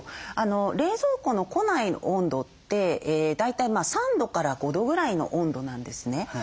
冷蔵庫の庫内温度って大体３度から５度ぐらいの温度なんですね。